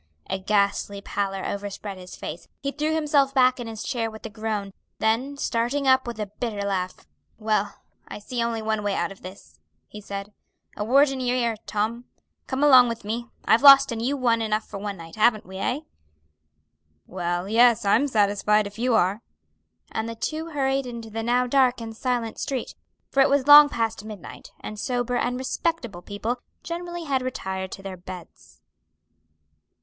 A ghastly pallor overspread his face, he threw himself back in his chair with a groan, then starting up with a bitter laugh, "Well, I see only one way out of this," he said. "A word in your ear, Tom; come along with me. I've lost and you won enough for one night; haven't we, eh?" "Well, yes; I'm satisfied if you are." And the two hurried into the now dark and silent street, for it was long past midnight, and sober and respectable people generally had retired to their beds.